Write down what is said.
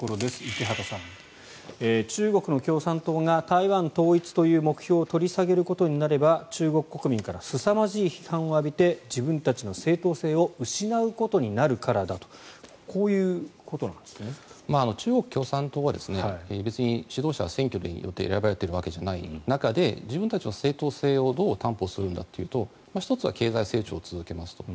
池畑さん、中国共産党が台湾統一という目標を取り下げることになれば中国国民からすさまじい批判を浴びて自分たちの正統性を失うことになるからだと中国共産党は別に指導者は選挙によって選ばれているわけではない中で自分たちの正統性をどう担保するんだというと１つは経済成長を進めますと。